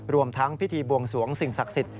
รวมทั้งพิธีบวงสวงสิ่งศักดิ์สิทธิ